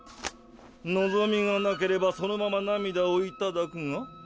望みがなければそのまま涙をいただくが？